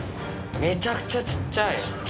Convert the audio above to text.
めちゃくちゃ小っちゃい。